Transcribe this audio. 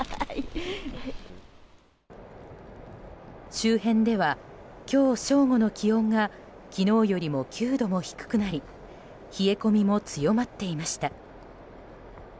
周辺では、今日正午の気温が昨日よりも９度も低くなり冷え込みも強まっていました。